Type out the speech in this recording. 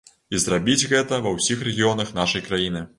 І зрабіць гэта ва ўсіх рэгіёнах нашай краіны.